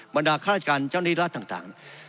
บรรดาข้าราชการเจ้าหนี้ราชต่าง